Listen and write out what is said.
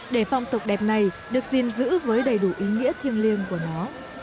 để phong tục đẹp này được gìn giữ với đầy đủ ý nghĩa thiêng liêng của nó